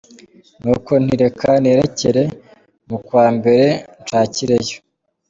Nuko nti reka nerekere mu kwa mbere nshakireyo!